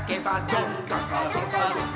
「どんかかどかどか」